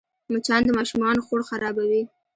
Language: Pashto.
مچان د ماشومانو خوړ خرابوي